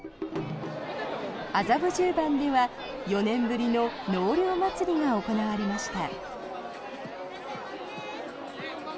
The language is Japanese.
麻布十番では、４年ぶりの納涼まつりが行われました。